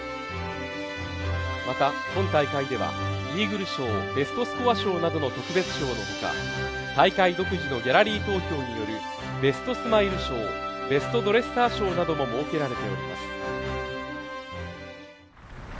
また今大会ではイーグル賞・ベストスコア賞などの特別賞のほか、大会独自のギャラリー投票によるベストスマイル賞ベストドレッサー賞なども設けられております。